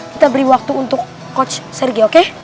kita beri waktu untuk coach sergi oke